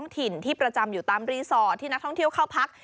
ถิ่นที่ประจำอยู่ตามรีสอร์ทที่นักท่องเที่ยวเข้าพัก